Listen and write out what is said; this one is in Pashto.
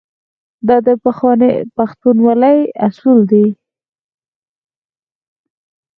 دا د پښتونولۍ اصول دي.